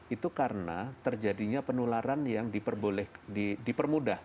itu karena terjadinya penularan yang diperboleh dipermudah